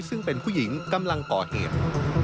ซึ่งเป็นผู้หญิงกำลังก่อเหตุ